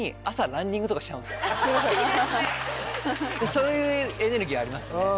そういうエネルギーありますよね。